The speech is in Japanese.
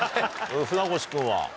船越君は？